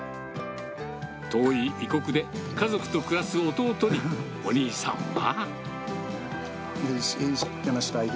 遠い異国で家族と暮らす弟に、お兄さんは。